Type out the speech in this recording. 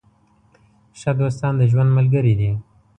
ښه دوستان د ژوند ملګري دي.